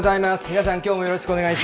皆さん、きょうもよろしくお願い